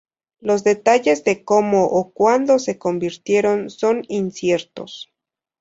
Los detalles de cómo o cuándo se convirtieron son inciertos.